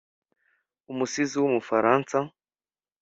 umusizi w’umufaransa